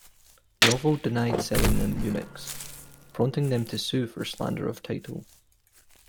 Novell denied selling them Unix, prompting them to sue for slander of title.